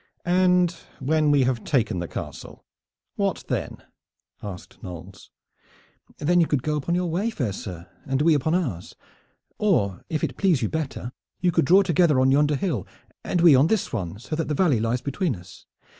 "And when we have taken the castle what then?" asked Knolles. "Then you could go upon your way, fair sir, and we upon ours. Or if it please you better you could draw together on yonder hill and we on this one, so that the valley lies between us.